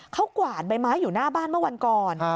เขากวาดใบไม้อยู่หน้าบ้านเมื่อวันก่อน